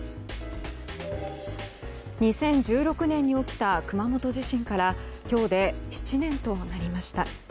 ２０１６年に起きた熊本地震から今日で７年となりました。